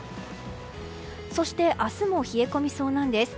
そして、明日も冷え込みそうなんです。